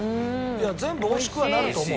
いや全部おいしくはなると思う。